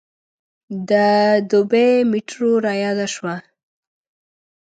د دبۍ میټرو رایاده شوه.